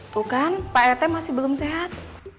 tuh kan pak rt masih belum sehat